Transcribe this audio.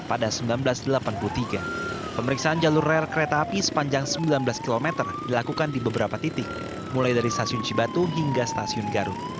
pada seribu sembilan ratus delapan puluh tiga pemeriksaan jalur rel kereta api sepanjang sembilan belas km dilakukan di beberapa titik mulai dari stasiun cibatu hingga stasiun garut